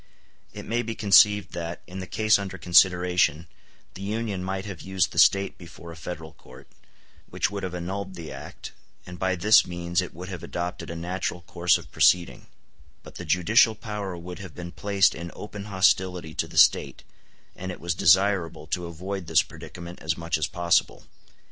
] It may be conceived that, in the case under consideration, the Union might have used the State before a Federal court, which would have annulled the act, and by this means it would have adopted a natural course of proceeding; but the judicial power would have been placed in open hostility to the State, and it was desirable to avoid this predicament as much as possible.